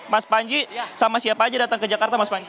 mas panji sama siapa aja datang ke jakarta mas panji